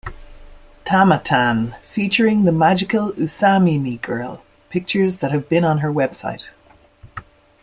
Tama-tan" featuring the "Magical Usamimi Girl" pictures that have been on her website.